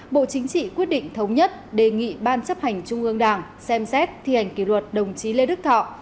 bộ chính trị quyết định thống nhất đề nghị ban chấp hành trung ương đảng xem xét thi hành kỷ luật đồng chí lê đức thọ